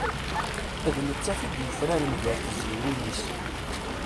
D nettat i d-yufraren ger tizyiwin-is.